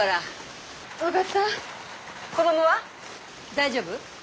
大丈夫？